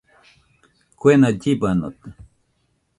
Kuena llibanote.